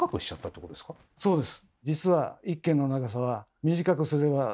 そうです。